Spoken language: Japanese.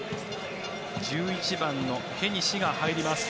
１１番のヘニシが入ります。